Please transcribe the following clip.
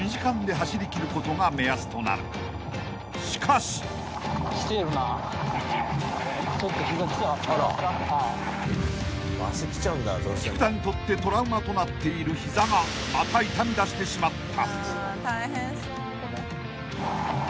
［しかし］［菊田にとってトラウマとなっている膝がまた痛みだしてしまった］